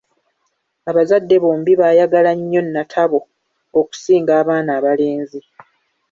Abazadde bombi baayagala nnyo Natabo okusinga abaana abalenzi.